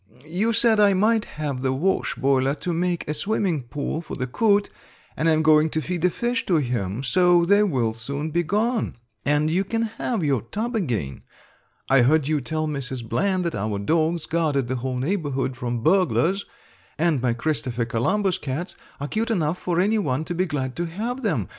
You said I might have the wash boiler to make a swimming pool for the coot, and I am going to feed the fish to him, so they will soon be gone and you can have your tub again. I heard you tell Mrs. Bland that our dogs guarded the whole neighborhood from burglars, and my Christopher Columbus cats are cute enough for anyone to be glad to have them.